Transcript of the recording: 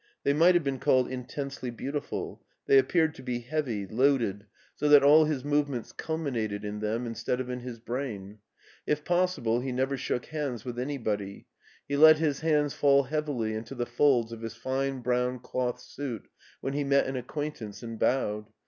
They might have been called intensely beautiful; they appeared to be heavy, loaded, so that BERLIN 175 all his movements culminated in them instead of in his brain. If possible he never shook hands with any body; he let his hands fall heavily into the folds of his fine brown cloth suit when he met an acquaintance and bowed.